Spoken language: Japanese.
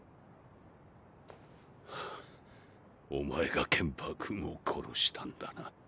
ハァお前がケンパー君を殺したんだな。